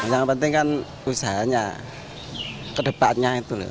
yang penting kan usahanya kedepannya itu loh